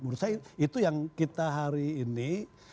menurut saya itu yang kita hari ini